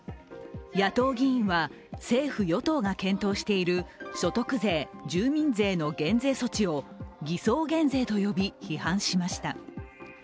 野党議員は政府・与党が検討している所得税・住民税の減税措置を偽装減税と呼び、批判しました。